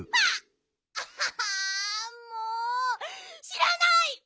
しらない！